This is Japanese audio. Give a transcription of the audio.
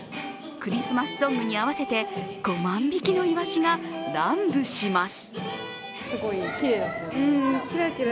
クリスマスソングに合わせて５万匹のいわしが乱舞します。